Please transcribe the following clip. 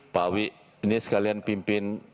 pak awi ini sekalian pimpin